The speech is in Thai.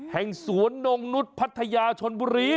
แห่งสวนนกนุดพรรภยชลบุรี